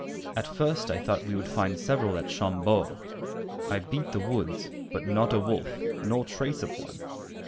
At first I thought We would find several at Chambord. I beat The woods, but not a wolf, nor trace of one!